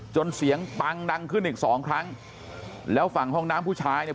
เสียงปังดังขึ้นอีกสองครั้งแล้วฝั่งห้องน้ำผู้ชายเนี่ย